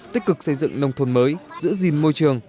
tích cực xây dựng nông thôn mới giữ gìn môi trường